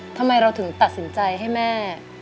ทำไมเราถึงตัดสินใจให้แม่